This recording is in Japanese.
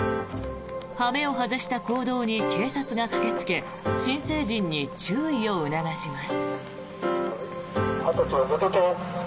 羽目を外した行動に警察が駆けつけ新成人に注意を促します。